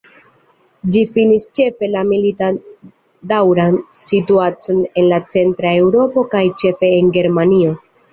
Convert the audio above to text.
Ĝi finis ĉefe la militan daŭran situacion en Centra Eŭropo kaj ĉefe en Germanio.